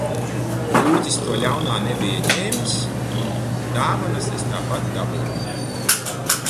Rūķis to ļaunā nebija ņēmis un dāvanas es tāpat dabūju.